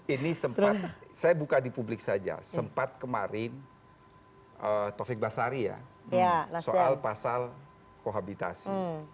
ini sempat saya buka di publik saja sempat kemarin taufik basari ya soal pasal kohabitasi